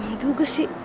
emangnya juga sih